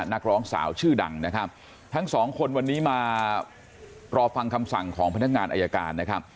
นักร้องสาวชื่อดังนะครับทั้งสองคนวันนี้มารอฟังคำสั่งของพนักงานอายการนะครับ